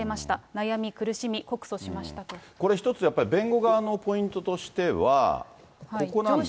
悩み、苦しみ、これ一つ、やっぱり弁護側のポイントとしてはここなんですね。